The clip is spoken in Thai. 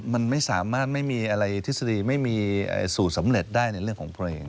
มันไม่สามารถไม่มีอะไรทฤษฎีไม่มีสูตรสำเร็จได้ในเรื่องของเพลง